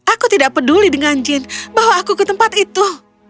aku tidak peduli dengan jin bawa aku ke tempat itu